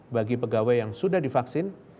bagi pegawai yang sudah divaksin